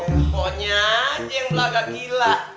pokoknya aja yang belaga gila